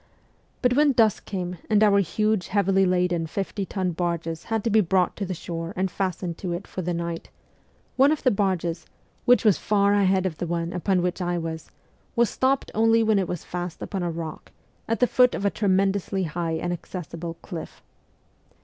But when dusk came, and our huge heavily laden fifty ton barges had to be brought to the shore and fastened to it for the night, one of the barges, which was far ahead of the one upon which I was, was stopped only when it was fast upon a rock, at the foot of a tremendously high inaccessible cliff.